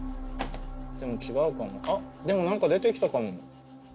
でも違うかもあっでも何か出てきたかも。